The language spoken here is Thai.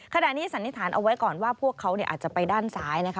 ขณะนี้สันนิษฐานเอาไว้ก่อนว่าพวกเขาอาจจะไปด้านซ้ายนะคะ